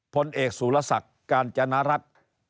ผลเอกสูรสักการจนรัฐ